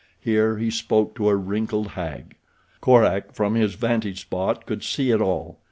Here he spoke to a wrinkled hag. Korak, from his vantage spot, could see it all.